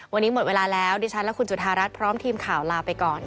วันนี้หมดเวลาแล้วดิฉันและคุณจุธารัฐพร้อมทีมข่าวลาไปก่อน